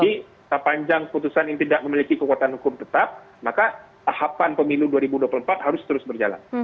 jadi sepanjang putusan ini tidak memiliki kekuatan hukum tetap maka tahapan pemilu dua ribu dua puluh empat harus terus berjalan